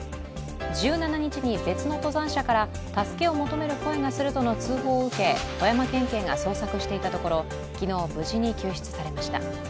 １７日に別の登山者から助けを求める声がするとの通報を受け富山県警が捜索していたところ昨日無事に救出されました。